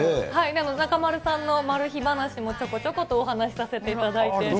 中丸さんのマル秘話もちょこちょことお話させていただいて。